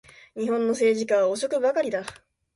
日本の政治家は汚職ばかりだ